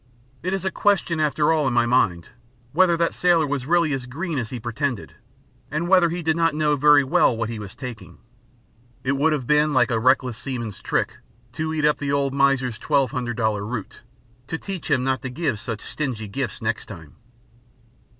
It is a question after all in my mind, whether that sailor was really as green as he pretended, and whether he did not know very well what he was taking. It would have been just like a reckless seaman's trick to eat up the old miser's twelve hundred dollar root, to teach him not to give such stingy gifts next time.